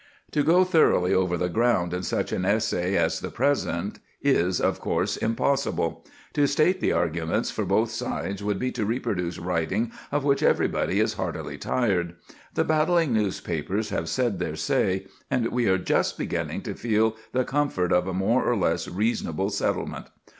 To go thoroughly over the ground in such an essay as the present is, of course, impossible; to state the arguments for both sides would be to reproduce writing of which everybody is heartily tired. The battling newspapers have said their say, and we are just beginning to feel the comfort of a more or less reasonable settlement.